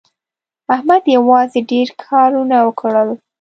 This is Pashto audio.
احمد یوازې ډېر کارونه وکړل.